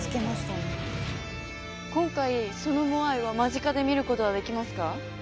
今回そのモアイは間近で見ることはできますか？